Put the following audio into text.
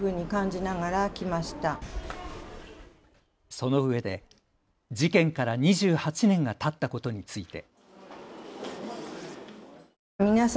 そのうえで事件から２８年がたったことについて。